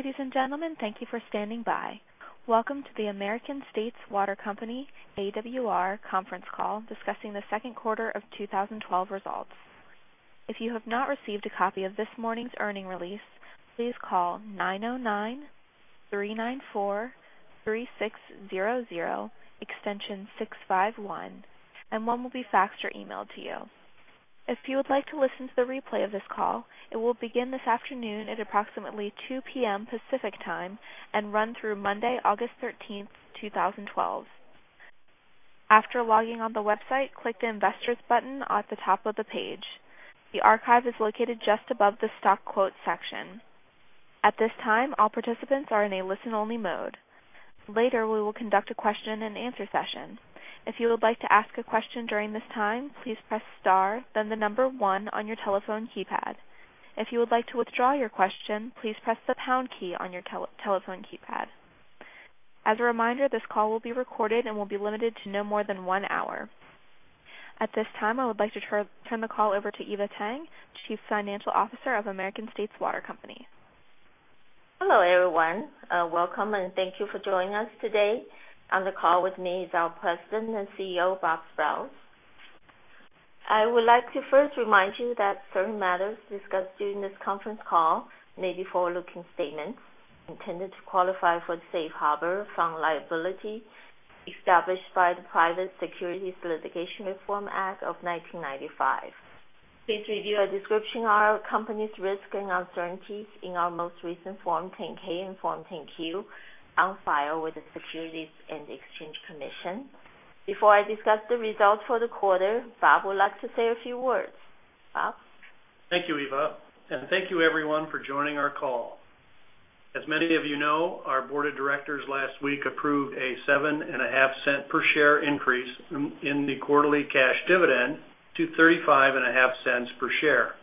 Ladies and gentlemen, thank you for standing by. Welcome to the American States Water Company, AWR, conference call discussing the second quarter of 2012 results. If you have not received a copy of this morning's earnings release, please call 909-394-3600, extension 651, and one will be faxed or emailed to you. If you would like to listen to the replay of this call, it will begin this afternoon at approximately 2:00 P.M. Pacific Time and run through Monday, August 13th, 2012. After logging on the website, click the Investors button at the top of the page. The archive is located just above the stock quote section. At this time, all participants are in a listen-only mode. Later, we will conduct a question and answer session. If you would like to ask a question during this time, please press star, then the number one on your telephone keypad. If you would like to withdraw your question, please press the pound key on your telephone keypad. As a reminder, this call will be recorded and will be limited to no more than one hour. At this time, I would like to turn the call over to Eva Tang, Chief Financial Officer of American States Water Company. Hello, everyone. Welcome, and thank you for joining us today. On the call with me is our President and CEO, Bob Sprowls. I would like to first remind you that certain matters discussed during this conference call may be forward-looking statements intended to qualify for the safe harbor from liability established by the Private Securities Litigation Reform Act of 1995. Please review a description of our company's risks and uncertainties in our most recent Form 10-K and Form 10-Q on file with the Securities and Exchange Commission. Before I discuss the results for the quarter, Bob would like to say a few words. Bob? Thank you, Eva, and thank you, everyone, for joining our call. As many of you know, our board of directors last week approved a $0.075 per share increase in the quarterly cash dividend to $0.355 per share.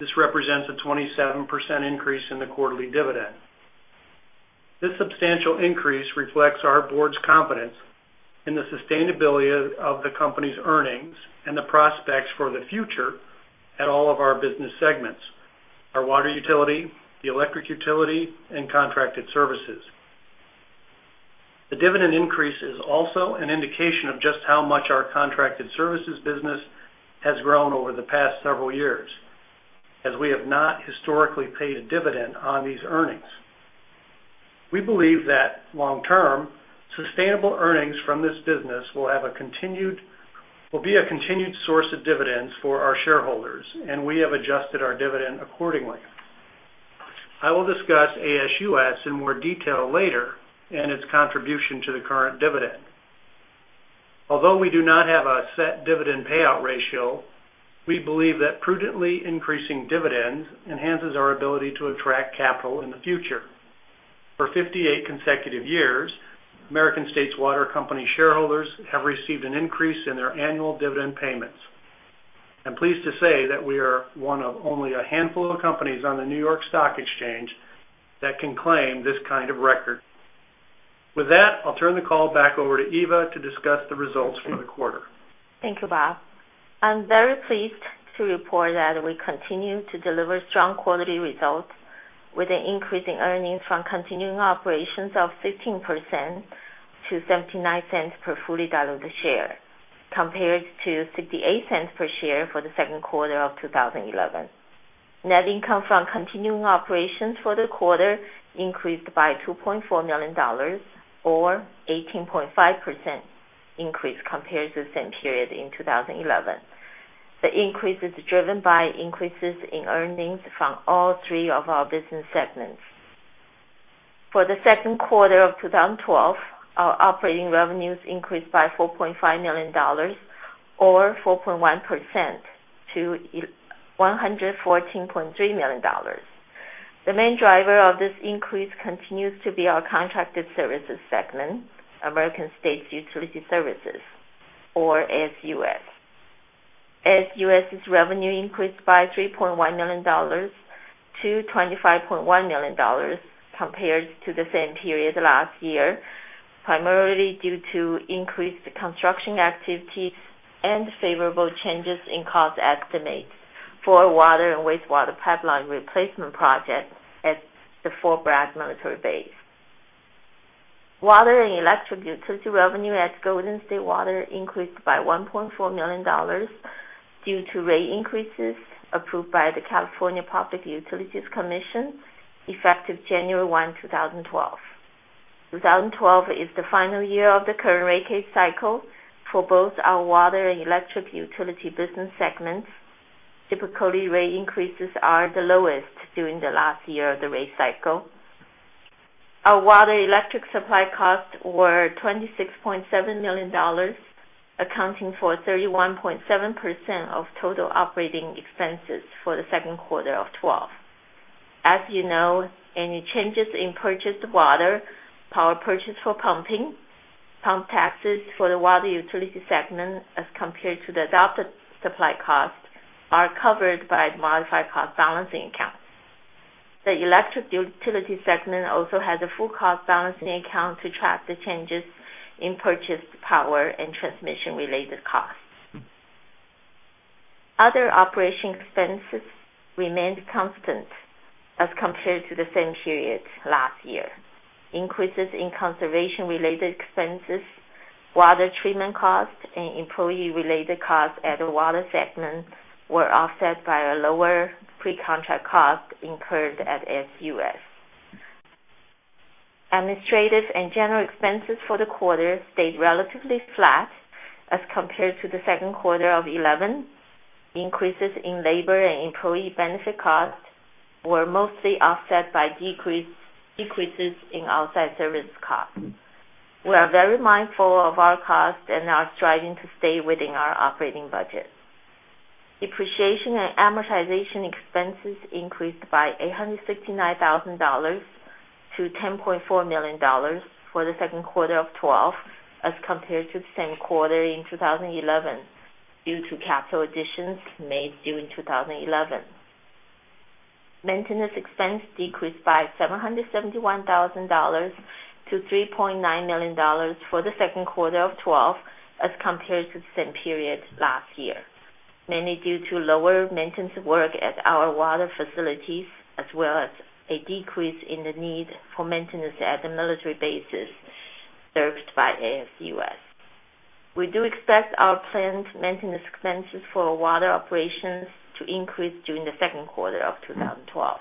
This represents a 27% increase in the quarterly dividend. This substantial increase reflects our board's confidence in the sustainability of the company's earnings and the prospects for the future at all of our business segments, our water utility, the electric utility, and contracted services. The dividend increase is also an indication of just how much our contracted services business has grown over the past several years, as we have not historically paid a dividend on these earnings. We believe that long-term, sustainable earnings from this business will be a continued source of dividends for our shareholders, and we have adjusted our dividend accordingly. I will discuss ASUS in more detail later and its contribution to the current dividend. Although we do not have a set dividend payout ratio, we believe that prudently increasing dividends enhances our ability to attract capital in the future. For 58 consecutive years, American States Water Company shareholders have received an increase in their annual dividend payments. I'm pleased to say that we are one of only a handful of companies on the New York Stock Exchange that can claim this kind of record. With that, I'll turn the call back over to Eva to discuss the results for the quarter. Thank you, Bob. I'm very pleased to report that we continue to deliver strong quality results with an increase in earnings from continuing operations of 15% to $0.79 per fully diluted share, compared to $0.68 per share for the second quarter of 2011. Net income from continuing operations for the quarter increased by $2.4 million, or 18.5% increase compared to the same period in 2011. The increase is driven by increases in earnings from all three of our business segments. For the second quarter of 2012, our operating revenues increased by $4.5 million, or 4.1%, to $114.3 million. The main driver of this increase continues to be our contracted services segment, American States Utility Services, or ASUS. ASUS' revenue increased by $3.1 million to $25.1 million compared to the same period last year, primarily due to increased construction activity and favorable changes in cost estimates for water and wastewater pipeline replacement projects at the Fort Bragg military base. Water and electric utility revenue at Golden State Water increased by $1.4 million due to rate increases approved by the California Public Utilities Commission effective January 1, 2012. 2012 is the final year of the current rate case cycle for both our water and electric utility business segments. Typically, rate increases are the lowest during the last year of the rate cycle. Our water electric supply costs were $26.7 million, accounting for 31.7% of total operating expenses for the second quarter of 2012. As you know, any changes in purchased water, power purchased for pumping, pump taxes for the water utility segment as compared to the adopted supply cost are covered by Modified Cost Balancing Accounts. The electric utility segment also has a full cost balancing account to track the changes in purchased power and transmission-related costs. Other operation expenses remained constant as compared to the same period last year. Increases in conservation-related expenses, water treatment costs, and employee-related costs at the water segment were offset by a lower pre-contract cost incurred at ASUS. Administrative and general expenses for the quarter stayed relatively flat as compared to the second quarter of 2011. Increases in labor and employee benefit costs were mostly offset by decreases in outside service costs. We are very mindful of our costs and are striving to stay within our operating budget. Depreciation and amortization expenses increased by $869,000 to $10.4 million for the second quarter of 2012 as compared to the same quarter in 2011 due to capital additions made during 2011. Maintenance expense decreased by $771,000 to $3.9 million for the second quarter of 2012 as compared to the same period last year, mainly due to lower maintenance work at our water facilities, as well as a decrease in the need for maintenance at the military bases served by ASUS. We do expect our planned maintenance expenses for water operations to increase during the second quarter of 2012.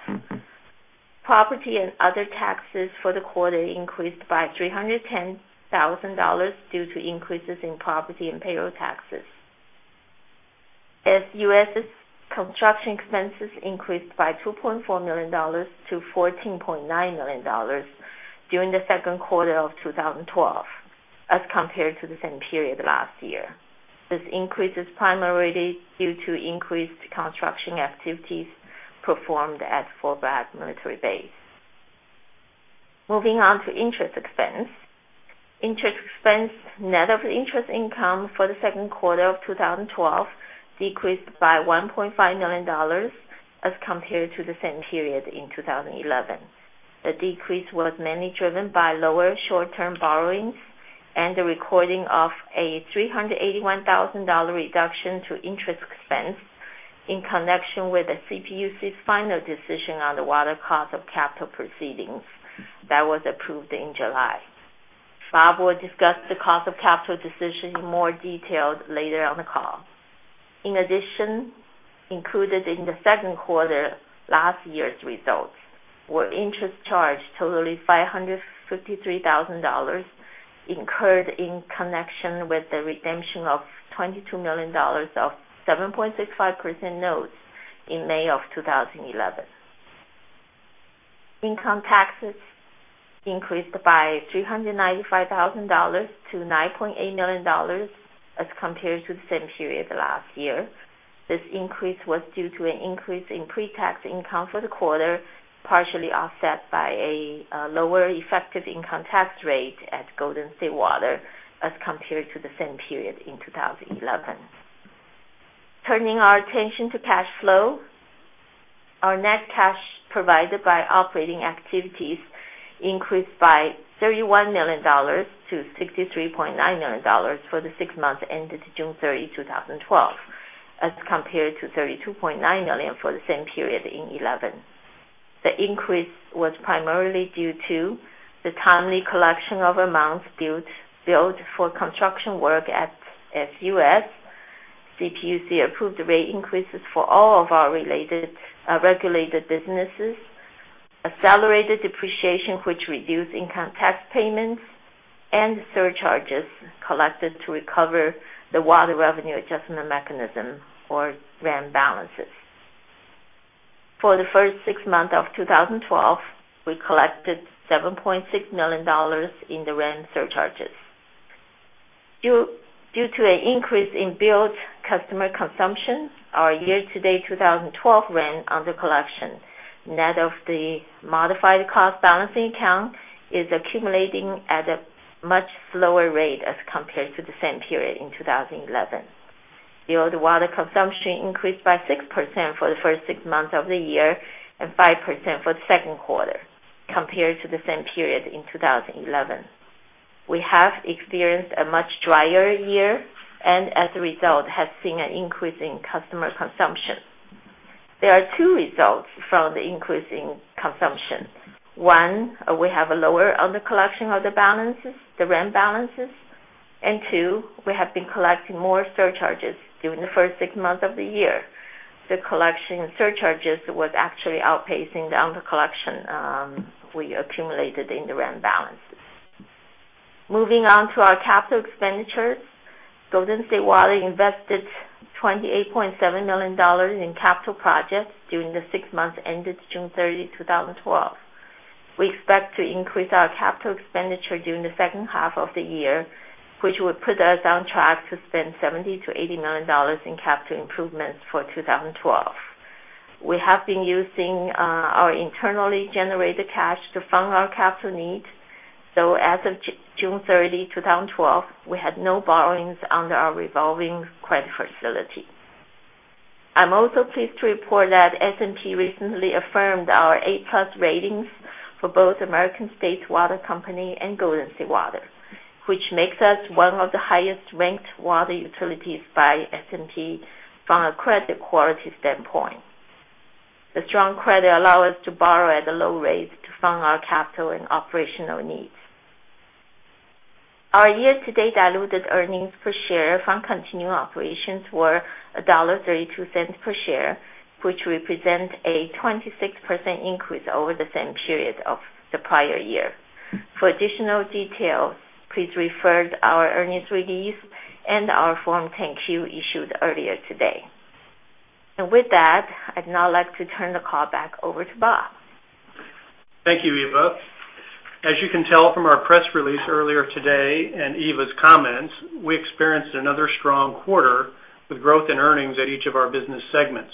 Property and other taxes for the quarter increased by $310,000 due to increases in property and payroll taxes. ASUS's construction expenses increased by $2.4 million to $14.9 million during the second quarter of 2012 as compared to the same period last year. This increase is primarily due to increased construction activities performed at Fort Bragg Military Base. Moving on to interest expense. Interest expense net of interest income for the second quarter of 2012 decreased by $1.5 million as compared to the same period in 2011. The decrease was mainly driven by lower short-term borrowings and the recording of a $381,000 reduction to interest expense in connection with the CPUC's final decision on the Water Cost of Capital proceedings that was approved in July. Bob will discuss the Cost of Capital decision in more detail later on the call. In addition, included in the second quarter last year's results were interest charged totaling $553,000 incurred in connection with the redemption of $22 million of 7.65% notes in May of 2011. Income taxes increased by $395,000 to $9.8 million as compared to the same period last year. This increase was due to an increase in pre-tax income for the quarter, partially offset by a lower effective income tax rate at Golden State Water as compared to the same period in 2011. Turning our attention to cash flow. Our net cash provided by operating activities increased by $31 million to $63.9 million for the six months ended June 30, 2012, as compared to $32.9 million for the same period in 2011. The increase was primarily due to the timely collection of amounts billed for construction work at ASUS, CPUC-approved rate increases for all of our regulated businesses, accelerated depreciation, which reduced income tax payments, and surcharges collected to recover the Water Revenue Adjustment Mechanism, or RAM balances. For the first six months of 2012, we collected $7.6 million in the RAM surcharges. Due to an increase in billed customer consumption, our year-to-date 2012 RAM undercollection, net of the Modified Cost Balancing Account, is accumulating at a much slower rate as compared to the same period in 2011. Billed water consumption increased by 6% for the first six months of the year and 5% for the second quarter compared to the same period in 2011. We have experienced a much drier year, as a result, have seen an increase in customer consumption. There are two results from the increase in consumption. One, we have a lower undercollection of the RAM balances, and two, we have been collecting more surcharges during the first six months of the year. The collection of surcharges was actually outpacing the undercollection we accumulated in the RAM balances. Moving on to our capital expenditures. Golden State Water invested $28.7 million in capital projects during the six months ended June 30, 2012. We expect to increase our capital expenditure during the second half of the year, which would put us on track to spend $70 million-$80 million in capital improvements for 2012. We have been using our internally-generated cash to fund our capital needs, so as of June 30, 2012, we had no borrowings under our revolving credit facility. I'm also pleased to report that S&P recently affirmed our A+ ratings for both American States Water Company and Golden State Water, which makes us one of the highest ranked water utilities by S&P from a credit quality standpoint. The strong credit allow us to borrow at a low rate to fund our capital and operational needs. Our year-to-date diluted earnings per share from continuing operations were $1.32 per share, which represent a 26% increase over the same period of the prior year. For additional details, please refer to our earnings release and our Form 10-Q issued earlier today. With that, I'd now like to turn the call back over to Bob. Thank you, Eva. As you can tell from our press release earlier today and Eva's comments, we experienced another strong quarter with growth in earnings at each of our business segments.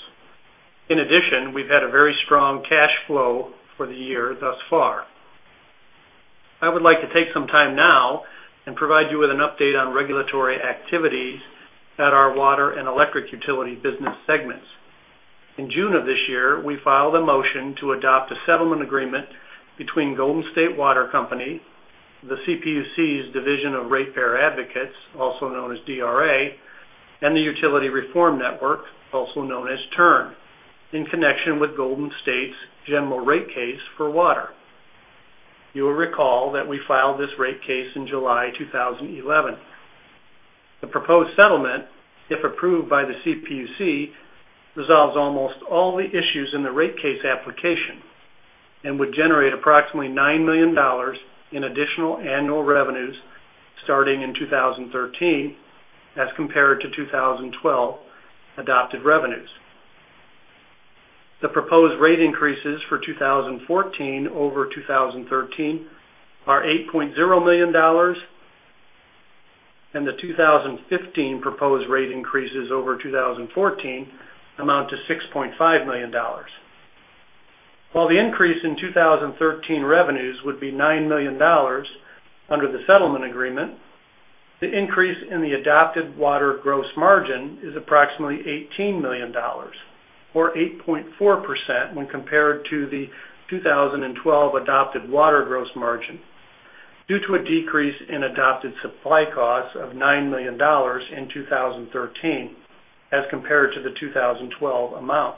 In addition, we've had a very strong cash flow for the year thus far. I would like to take some time now and provide you with an update on regulatory activities at our water and electric utility business segments. In June of this year, we filed a motion to adopt a settlement agreement between Golden State Water Company, the CPUC's Division of Ratepayer Advocates, also known as DRA, and The Utility Reform Network, also known as TURN, in connection with Golden State's general rate case for water. You will recall that we filed this rate case in July 2011. The proposed settlement, if approved by the CPUC, resolves almost all the issues in the rate case application and would generate approximately $9 million in additional annual revenues starting in 2013 as compared to 2012 adopted revenues. The proposed rate increases for 2014 over 2013 are $8.0 million, and the 2015 proposed rate increases over 2014 amount to $6.5 million. While the increase in 2013 revenues would be $9 million under the settlement agreement, the increase in the adopted water gross margin is approximately $18 million, or 8.4% when compared to the 2012 adopted water gross margin due to a decrease in adopted supply costs of $9 million in 2013 as compared to the 2012 amount.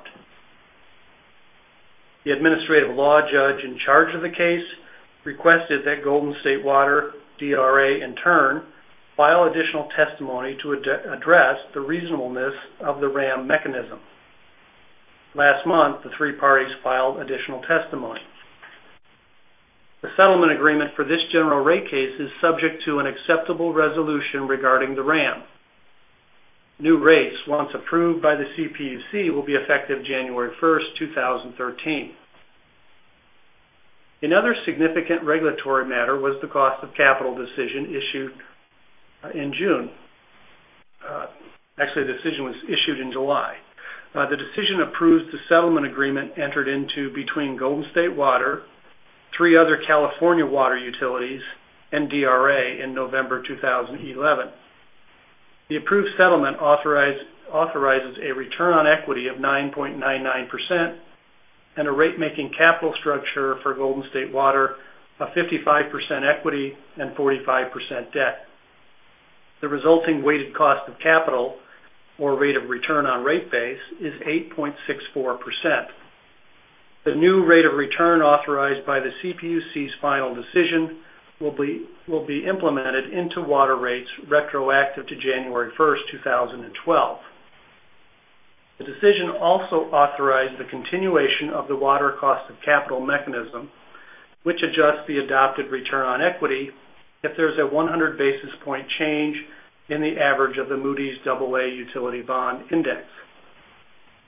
The administrative law judge in charge of the case requested that Golden State Water, DRA, and TURN file additional testimony to address the reasonableness of the RAM mechanism. Last month, the three parties filed additional testimony. The settlement agreement for this general rate case is subject to an acceptable resolution regarding the RAM. New rates, once approved by the CPUC, will be effective January 1st, 2013. Another significant regulatory matter was the cost of capital decision issued in June. Actually, the decision was issued in July. The decision approves the settlement agreement entered into between Golden State Water, three other California water utilities, and DRA in November 2011. The approved settlement authorizes a return on equity of 9.99% and a rate-making capital structure for Golden State Water of 55% equity and 45% debt. The resulting weighted cost of capital, or rate of return on rate base, is 8.64%. The new rate of return authorized by the CPUC's final decision will be implemented into water rates retroactive to January 1st, 2012. The decision also authorized the continuation of the Water Cost of Capital Mechanism, which adjusts the adopted return on equity if there's a 100 basis points change in the average of the Moody's Aa Utility Bond Index.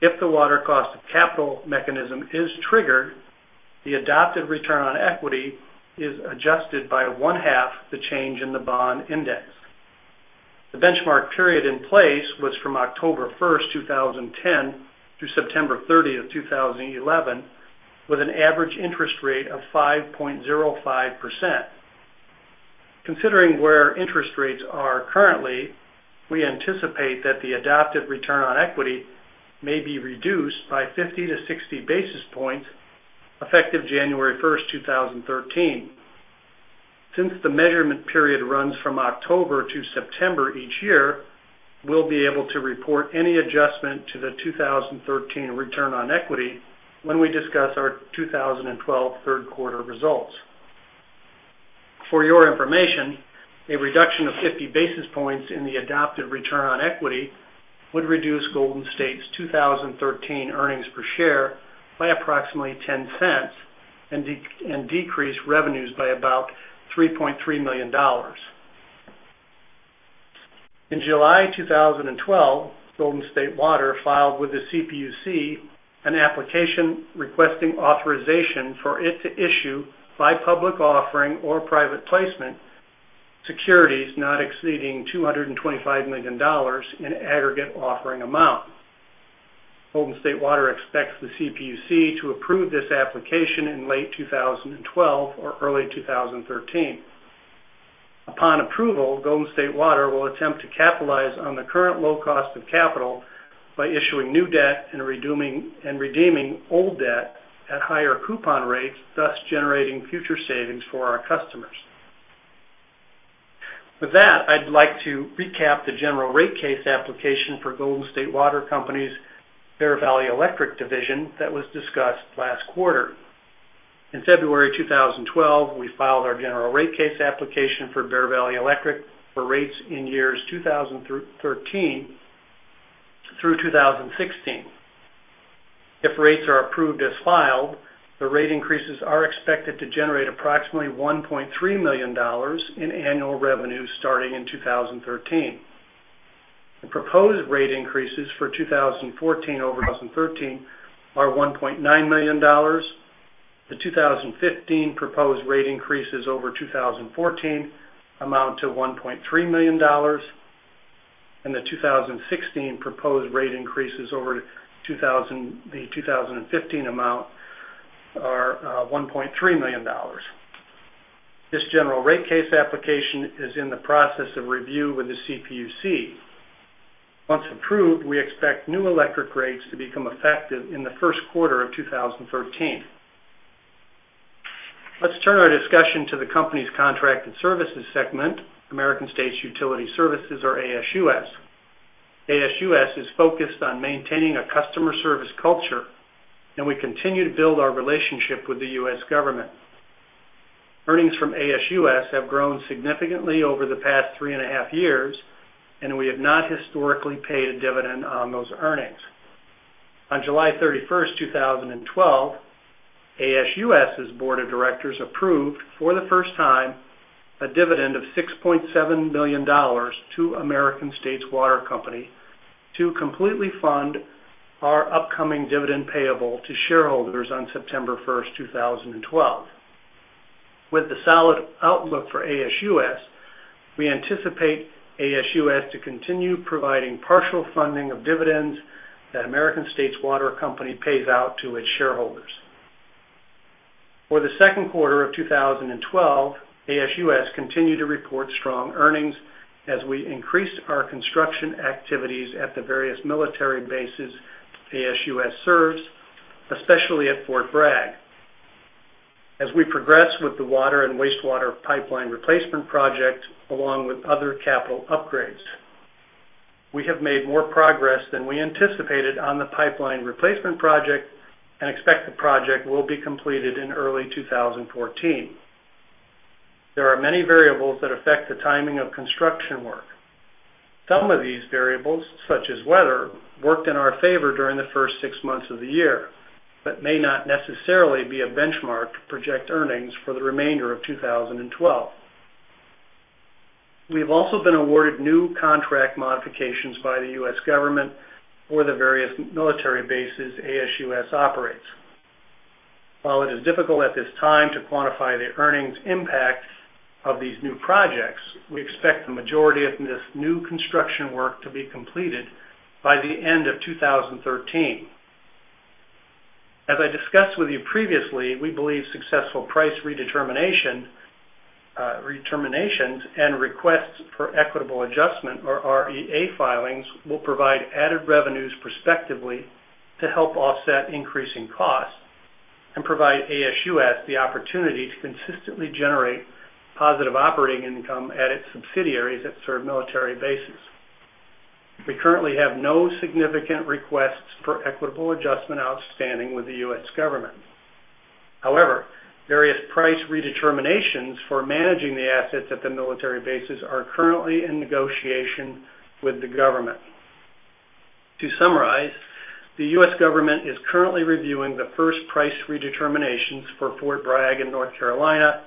If the Water Cost of Capital Mechanism is triggered, the adopted return on equity is adjusted by one-half the change in the bond index. The benchmark period in place was from October 1st, 2010, to September 30th, 2011, with an average interest rate of 5.05%. Considering where interest rates are currently, we anticipate that the adopted return on equity may be reduced by 50 to 60 basis points effective January 1st, 2013. Since the measurement period runs from October to September each year, we'll be able to report any adjustment to the 2013 return on equity when we discuss our 2012 third-quarter results. For your information, a reduction of 50 basis points in the adopted return on equity would reduce Golden State's 2013 earnings per share by approximately $0.10 and decrease revenues by about $3.3 million. In July 2012, Golden State Water filed with the CPUC an application requesting authorization for it to issue, by public offering or private placement, securities not exceeding $225 million in aggregate offering amount. Golden State Water expects the CPUC to approve this application in late 2012 or early 2013. Upon approval, Golden State Water will attempt to capitalize on the current low cost of capital by issuing new debt and redeeming old debt at higher coupon rates, thus generating future savings for our customers. With that, I'd like to recap the general rate case application for Golden State Water Company's Bear Valley Electric Service that was discussed last quarter. In February 2012, we filed our general rate case application for Bear Valley Electric Service for rates in years 2013 through 2016. If rates are approved as filed, the rate increases are expected to generate approximately $1.3 million in annual revenue starting in 2013. The proposed rate increases for 2014 over 2013 are $1.9 million. The 2015 proposed rate increases over 2014 amount to $1.3 million, and the 2016 proposed rate increases over the 2015 amount are $1.3 million. This general rate case application is in the process of review with the CPUC. Once approved, we expect new electric rates to become effective in the first quarter of 2013. Let's turn our discussion to the company's contracted services segment, American States Utility Services, or ASUS. ASUS is focused on maintaining a customer service culture, and we continue to build our relationship with the U.S. government. Earnings from ASUS have grown significantly over the past three and a half years, and we have not historically paid a dividend on those earnings. On July 31st, 2012, ASUS's board of directors approved, for the first time, a dividend of $6.7 million to American States Water Company to completely fund our upcoming dividend payable to shareholders on September 1st, 2012. With the solid outlook for ASUS, we anticipate ASUS to continue providing partial funding of dividends that American States Water Company pays out to its shareholders. For the second quarter of 2012, ASUS continued to report strong earnings as we increased our construction activities at the various military bases ASUS serves, especially at Fort Bragg. As we progress with the water and wastewater pipeline replacement project, along with other capital upgrades. We have made more progress than we anticipated on the pipeline replacement project and expect the project will be completed in early 2014. There are many variables that affect the timing of construction work. Some of these variables, such as weather, worked in our favor during the first six months of the year, but may not necessarily be a benchmark to project earnings for the remainder of 2012. We have also been awarded new contract modifications by the U.S. government for the various military bases ASUS operates. While it is difficult at this time to quantify the earnings impact of these new projects, we expect the majority of this new construction work to be completed by the end of 2013. As I discussed with you previously, we believe successful price redeterminations and requests for equitable adjustment, or REA filings, will provide added revenues prospectively to help offset increasing costs and provide ASUS the opportunity to consistently generate positive operating income at its subsidiaries that serve military bases. We currently have no significant requests for equitable adjustment outstanding with the U.S. government. However, various price redeterminations for managing the assets at the military bases are currently in negotiation with the government. To summarize, the U.S. government is currently reviewing the first price redeterminations for Fort Bragg in North Carolina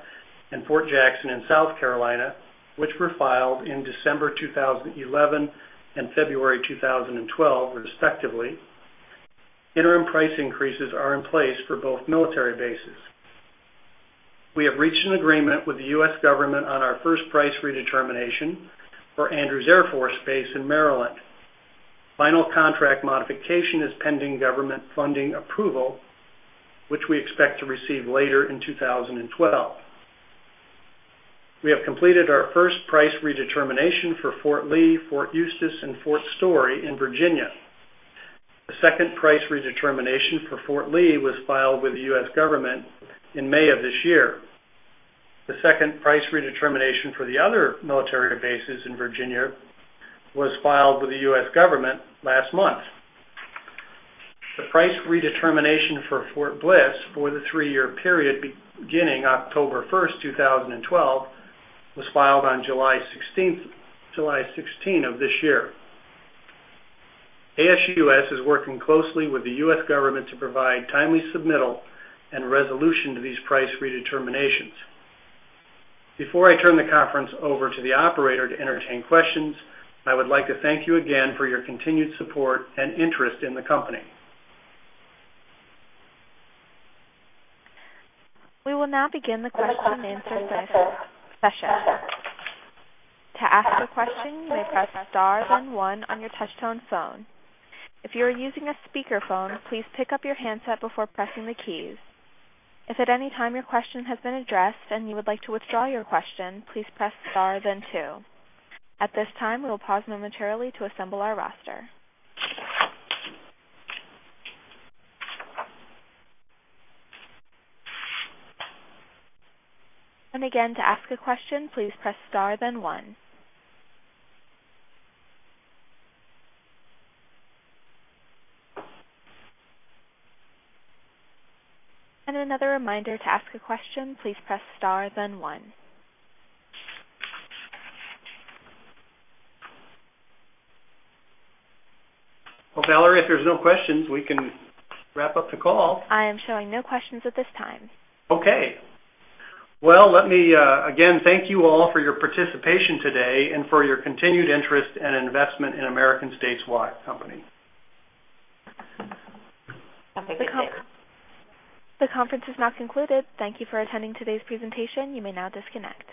and Fort Jackson in South Carolina, which were filed in December 2011 and February 2012, respectively. Interim price increases are in place for both military bases. We have reached an agreement with the U.S. government on our first price redetermination for Andrews Air Force Base in Maryland. Final contract modification is pending government funding approval, which we expect to receive later in 2012. We have completed our first price redetermination for Fort Lee, Fort Eustis, and Fort Story in Virginia. The second price redetermination for Fort Lee was filed with the U.S. government in May of this year. The second price redetermination for the other military bases in Virginia was filed with the U.S. government last month. The price redetermination for Fort Bliss for the three-year period beginning October 1st, 2012, was filed on July 16th of this year. ASUS is working closely with the U.S. government to provide timely submittal and resolution to these price redeterminations. Before I turn the conference over to the operator to entertain questions, I would like to thank you again for your continued support and interest in the company. We will now begin the question and answer session. To ask a question, you may press star then one on your touch tone phone. If you are using a speakerphone, please pick up your handset before pressing the keys. If at any time your question has been addressed and you would like to withdraw your question, please press star then two. At this time, we will pause momentarily to assemble our roster. Again, to ask a question, please press star then one. Another reminder, to ask a question, please press star then one. Well, Valerie, if there's no questions, we can wrap up the call. I am showing no questions at this time. Okay. Well, let me again thank you all for your participation today and for your continued interest and investment in American States Water Company. The conference is now concluded. Thank you for attending today's presentation. You may now disconnect.